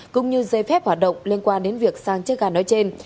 cũng như dây phép hoạt động liên quan đến việc sang chiếc gà nói trên